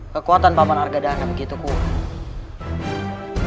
kekuatan paman harga dan begitu kuat